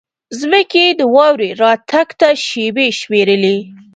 ځمکې د واورې راتګ ته شېبې شمېرلې.